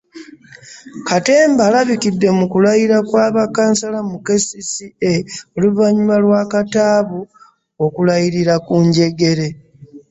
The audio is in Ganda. Katemba alabikidde mu kulayira kwa bakkansala mu KCCA oluvannyuma lwa Kataabu okulayirira ku njegere